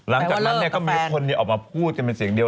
แปลว่าเลิกกับแฟนหลังจากนั้นก็มีคนออกมาพูดเป็นเสียงเดียว